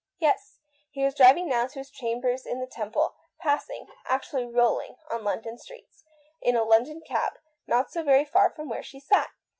Yes, he was driving now to his rooms at St. James', passing, actually rolling on London streets, in a London cab, not so very far from where she sat.